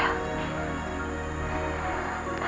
ingat itu ya